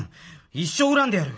一生恨んでやる！